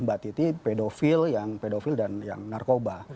mbak titi pedofil dan yang narkoba